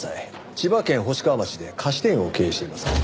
千葉県星川町で菓子店を経営しています。